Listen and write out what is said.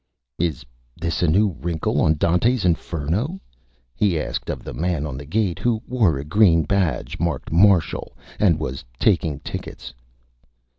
"Is this a new Wrinkle on Dante's Inferno?" he asked of the Man on the Gate, who wore a green Badge marked "Marshal," and was taking Tickets.